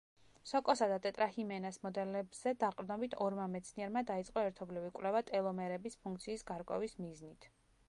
სოკოსა და ტეტრაჰიმენას მოდელებზე დაყრდნობით ორმა მეცნიერმა დაიწყო ერთობლივი კვლევა ტელომერების ფუნქციის გარკვევის მიზნით.